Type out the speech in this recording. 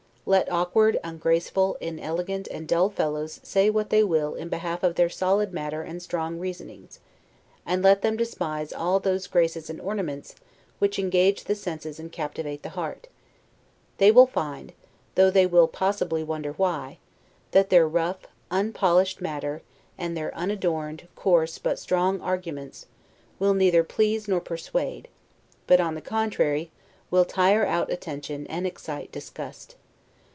Let awkward, ungraceful, inelegant, and dull fellows say what they will in behalf of their solid matter and strong reasonings; and let them despise all those graces and ornaments which engage the senses and captivate the heart; they will find (though they will possibly wonder why) that their rough, unpolished matter, and their unadorned, coarse, but strong arguments, will neither please nor persuade; but, on the contrary, will tire out attention, and excite disgust.